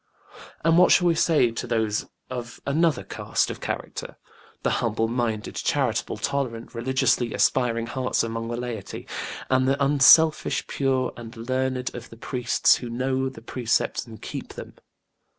And what shall we say to those of another caste of character the humble minded, charitable, tolerant, religiously aspiring hearts among the laity, and the unselfish, pure and learned of the priests who know the Precepts and keep them?